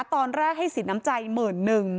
ตอนแรกให้สินน้ำใจหมื่นนึง